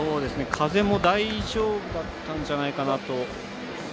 風も大丈夫だったんじゃないかなと。